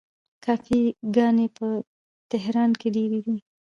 کافې ګانې په تهران کې ډیرې دي.